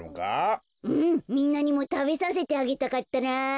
うんみんなにもたべさせてあげたかったなぁ。